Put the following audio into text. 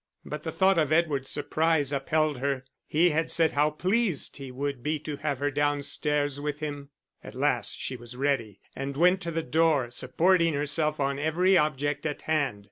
But the thought of Edward's surprise upheld her he had said how pleased he would be to have her downstairs with him. At last she was ready and went to the door, supporting herself on every object at hand.